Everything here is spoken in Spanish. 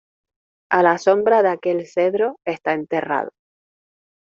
a la sombra de aquel cedro está enterrado.